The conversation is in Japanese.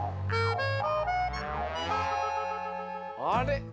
あれ？